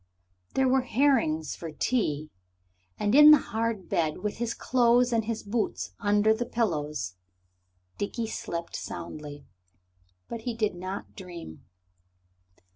There were herrings for tea. And in the hard bed, with his clothes and his boots under the pillows, Dickie slept soundly. But he did not dream.